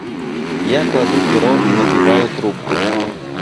Я кладу перо и набиваю трубку.